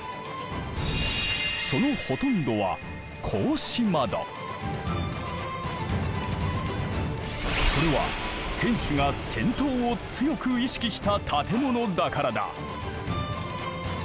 そのほとんどはそれは天守が戦闘を強く意識した建物だからだ。